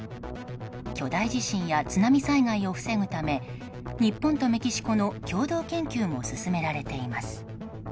巨大地震や津波災害を防ぐため日本とメキシコの共同研究も進められています。